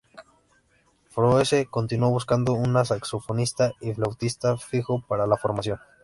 Froese continuó buscando un saxofonista y flautista fijo para la formación.